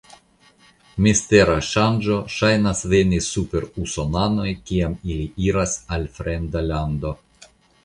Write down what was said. Mistera ŝanĝo ŝajnas veni super usonanoj kiam ili iras al fremda lando.